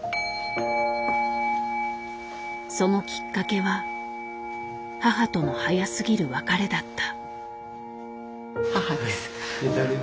そのきっかけは母との早すぎる別れだった。